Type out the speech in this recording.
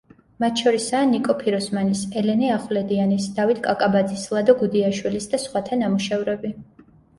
მათ შორისაა ნიკო ფიროსმანის, ელენე ახვლედიანის, დავით კაკაბაძის, ლადო გუდიაშვილის და სხვათა ნამუშევრები.